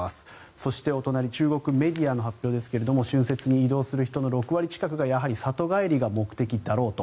そして、お隣中国メディアの発表ですが春節に移動する人の６割近くがやはり里帰りが目的だろうと。